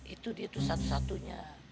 itu dia tuh satu satunya